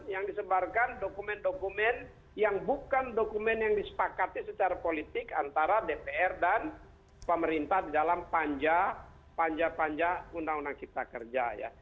yang disebarkan dokumen dokumen yang bukan dokumen yang disepakati secara politik antara dpr dan pemerintah di dalam panja panja undang undang cipta kerja